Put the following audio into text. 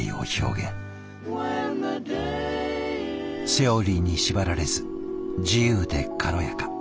セオリーに縛られず自由で軽やか。